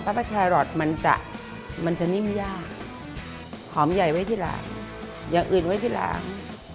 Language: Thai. พระแครอทมันจะมันจะนิ่มยากหอมใหญ่ไว้ที่หลังอย่างอื่นไว้ที่หลัง